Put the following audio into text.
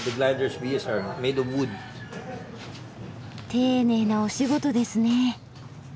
丁寧なお仕事ですね。